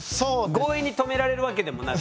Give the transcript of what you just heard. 強引に止められるわけでもなく。